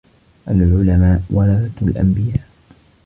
العلماء ورثة الأنبياء